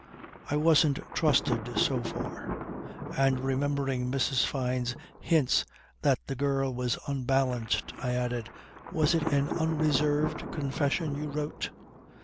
"I wasn't trusted so far." And remembering Mrs. Fyne's hints that the girl was unbalanced, I added: "Was it an unreserved confession you wrote?"